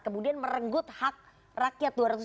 kemudian merenggut hak rakyat